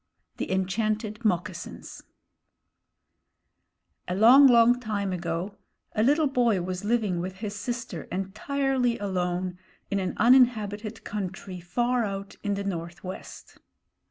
THE ENCHANTED MOCCASINS |A LONG, long time ago, a little boy was living with his sister entirely alone in an uninhabited country far out in the north west.